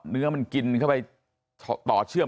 เนื้อมันกินเข้าไปต่อเชื่อม